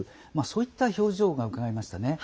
そういった表情がうかがえましたね。